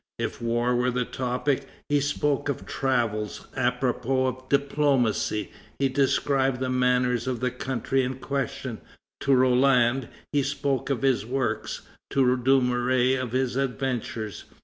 If war were the topic, he spoke of travels; apropos of diplomacy, he described the manners of the country in question; to Roland he spoke of his works, to Dumouriez of his adventures.